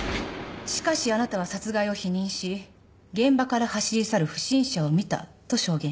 しかしあなたは殺害を否認し現場から走り去る不審者を見たと証言した。